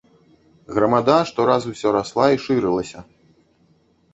Грамада што раз усё расла і шырылася.